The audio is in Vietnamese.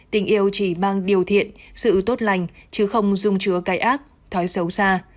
tình yêu chỉ mang điều thiện sự tốt lành chứ không dung chứa cái ác thói xấu xa